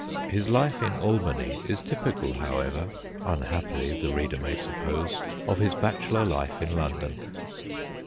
His life in Albany is typical, however unhappily, the reader may suppose of his bachelor life in London.